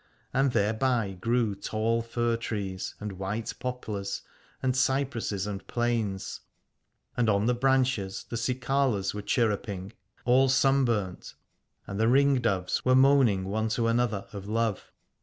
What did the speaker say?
And thereby grew tall fir trees, and white poplars, and cypresses and planes, and on the branches the cicalas were chir ruping, all sunburnt, and the ring doves were moaning one to another of love.